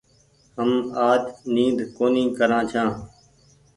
هم آج نيد ڪونيٚ ڪران ڇآن۔